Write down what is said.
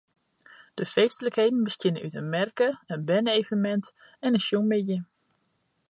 De feestlikheden besteane út in merke, in berne-evenemint en in sjongmiddei.